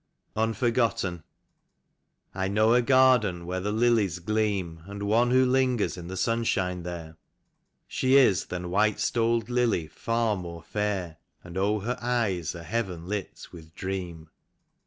42 UNFORGOTTEN. I KNOW a garden where the lilies gleam, And one who lingers in the sunshine there; She is than white stoled lily far more fair, And oh, her eyes are heaven lit with dream.